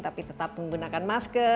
tapi tetap menggunakan masker